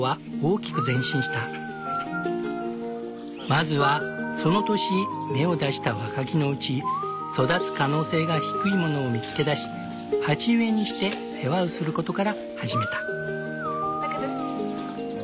まずはその年芽を出した若木のうち育つ可能性が低いものを見つけだし鉢植えにして世話をすることから始めた。